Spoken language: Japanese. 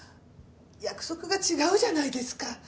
「約束が違うじゃないですか」